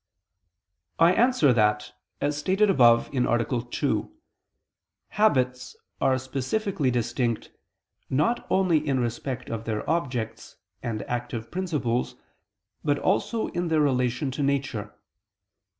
I answer that, As stated above (A. 2), habits are specifically distinct not only in respect of their objects and active principles, but also in their relation to nature.